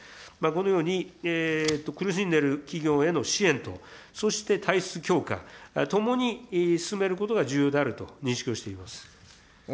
このように苦しんでいる企業への支援と、そして体質強化、共に進めることが重要であると認識をしております。